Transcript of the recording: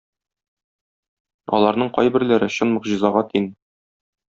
Аларның кайберләре чын могҗизага тиң.